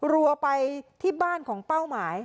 รัวไปที่บ้านของเป้าหมาย